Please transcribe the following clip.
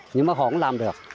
nhưng mà họ không làm được